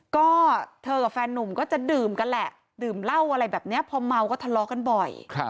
ก็เธอกับแฟนนุ่มก็จะดื่มกันแหละดื่มเหล้าอะไรแบบนี้พอเมาก็ทะเลาะกันบ่อย